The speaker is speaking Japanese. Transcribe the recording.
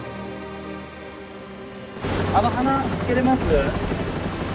あの鼻つけれます？